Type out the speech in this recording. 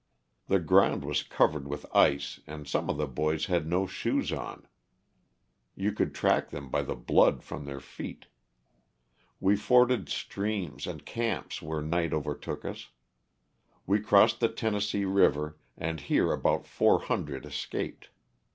The ground was covered with ice and some of the boys had no shoes on — you could track them by the blood from their feet. We forded streams and camped where night overtook us. We crossed the Tennessee, river and here about 400 escaped.